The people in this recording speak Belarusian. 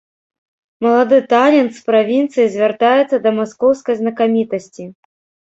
Малады талент з правінцыі звяртаецца да маскоўскай знакамітасці.